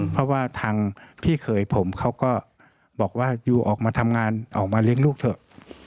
เพราะว่าทางพี่เขยผมเขาก็บอกว่ายูออกมาทำงานออกมาเลี้ยงลูกเถอะ